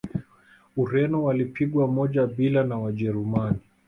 ureno walipigwa moja bila na wajerumani